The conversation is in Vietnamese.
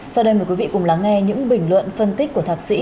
sau đây mời quý vị cùng lắng nghe những bình luận phân tích của thạc sĩ